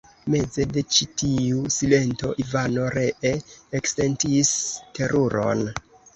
Meze de ĉi tiu silento Ivano ree eksentis teruron.